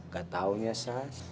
gak taunya sas